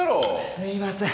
すいません